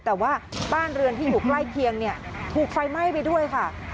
แต่ว่าบ้านเรือนที่อยู่ใกล้เคียงเนี่ยถูกไฟไหม้ไปด้วยค่ะ